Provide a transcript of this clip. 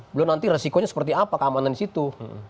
beliau nanti resikonya seperti apa keamanan di situ